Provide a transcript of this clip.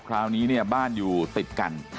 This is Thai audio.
คราวนี้เนี่ยบ้านอยู่ติดกัน